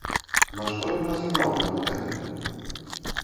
Нашто ён разыграў гэтую камедыю?